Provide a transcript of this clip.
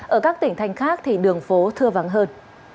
ở các tỉnh thành khác thì đường phố thưa vắng hơn